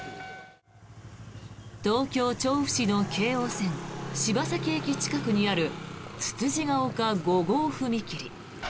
東京・調布市の京王線柴崎駅近くにあるつつじヶ丘５号踏切。